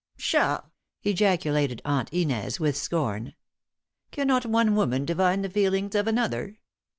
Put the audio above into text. "Pshaw!" ejaculated Aunt Inez, with scorn. "Cannot one woman divine the feelings of another?